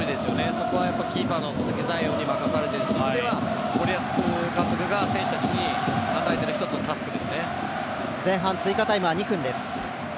そこはキーパーの鈴木彩艶に任されているという意味では森保監督が選手たちに与えている前半追加タイムは２分です。